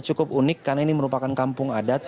cukup unik karena ini merupakan kampung adat